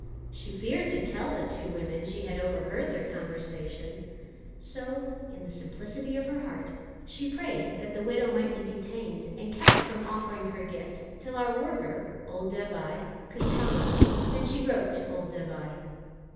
She feared to tell the two women she had overheard their conversation, so in the simplicity of her heart she prayed that the widow might be detained and kept from offering her gift till our worker, old Dévai, could come; and she wrote to old Dévai.